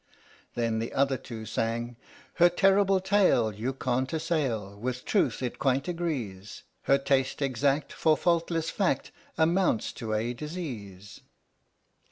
Then the other two sang : Her terrible tale You can't assail, With truth it quite agrees. Her taste exact For faultless fact Amounts to a disease.